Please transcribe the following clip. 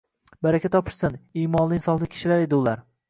Baraka topishsin, iymonli-insofli kishilar edi ular.